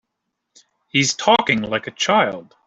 He's talking like a child.